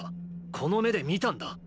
この目で見たんだ。